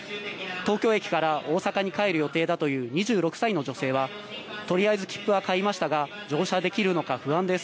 東京駅から大阪に帰る予定だという２６歳の女性はとりあえず切符は買いましたが乗車できるのか不安です。